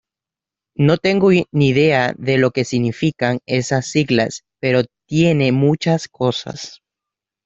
No tengo ni idea de lo que significan esas siglas, pero tiene muchas cosas.